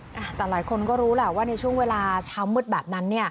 แต่หลายคนก็รู้แหละว่าในช่วงเวลาเช้ามืดแบบนั้นเนี่ย